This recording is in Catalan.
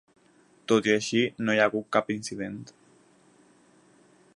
Tot i així, no hi hagut cap incident.